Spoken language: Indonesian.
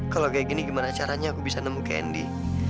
kalau kayak gini gimana caranya aku bisa nemu kendi